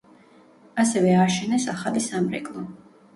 ასევე ააშენეს ახალი სამრეკლო.